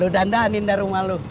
lo dandanin dari rumah lo